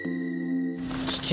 危険。